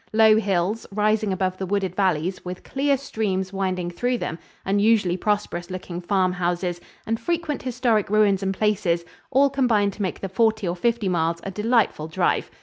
Low hills, rising above the wooded valleys, with clear streams winding through them; unusually prosperous looking farm houses; and frequent historic ruins and places all combine to make the forty or fifty miles a delightful drive.